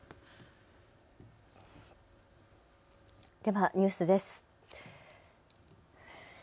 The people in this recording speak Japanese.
ではニュースです。